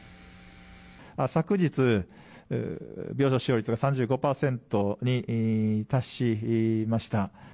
昨日、病床使用率が３５％に達しました。